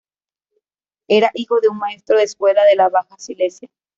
Era hijo de un maestro de escuela de la Baja Silesia.